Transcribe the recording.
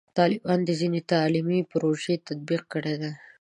طالبانو ځینې تعلیمي پروژې تطبیق کړي دي.